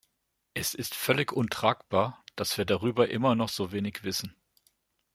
Es ist völlig untragbar, dass wir darüber immer noch so wenig wissen.